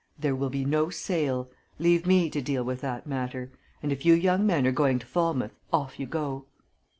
There will be no sale! Leave me to deal with that matter and if you young men are going to Falmouth, off you go!"